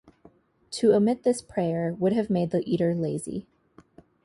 To omit this prayer would have made the eater lazy.